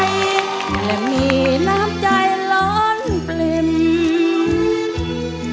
งานมีน้ำใจร้อนปลิก